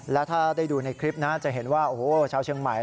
แล้วถ้าได้ดูในคลิปนะจะเห็นว่าโอ้โหชาวเชียงใหม่